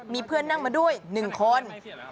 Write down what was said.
มีเพื่อนนั่งมาด้วย๑คน